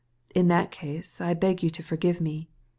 In that case, I beg you to forgive me.